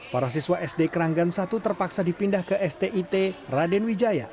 para siswa sd keranggan satu terpaksa dipindah ke stit raden wijaya